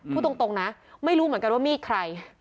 พูดตรงนะไม่รู้เหมือนกันว่ามีดใคร